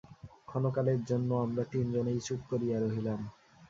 ক্ষণকালের জন্য আমরা তিন জনেই চুপ করিয়া রহিলাম।